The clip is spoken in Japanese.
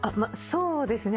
そうですね。